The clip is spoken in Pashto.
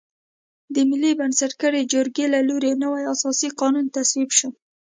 د ملي بنسټګرې جرګې له لوري نوی اساسي قانون تصویب شو.